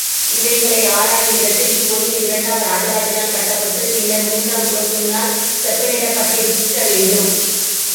இவைகளை ஆராயுமிடத்து, இக்கோயில் இரண்டாம் ராஜராஜனால் கட்டப்பட்டுப் பின்னர் மூன்றாம் குலோத்துங்கனால் செப்பனிடப்பட்டிருக்கவேண்டும்.